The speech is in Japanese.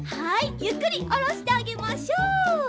ゆっくりおろしてあげましょう。